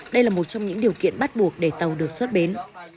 đây là một trong những điều kiện bắt buộc để tàu được xuất bến